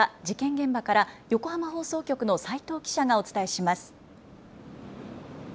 現場から横浜放送局の齋藤記者がお伝えします。